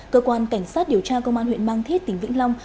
cơ quan cảnh sát điều tra công an huyện mang thít tỉnh vĩnh long